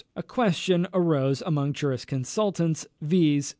a question arose among jurisconsults, viz.